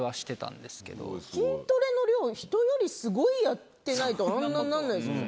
筋トレの量人よりスゴいやってないとあんなにならないですよね。